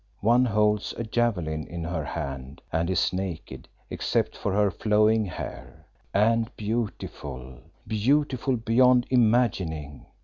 One holds a javelin in her hand and is naked except for her flowing hair, and beautiful, beautiful beyond imagining.